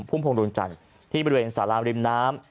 ุ่มพวงดวงจันทร์ที่บริเวณสาราริมน้ำ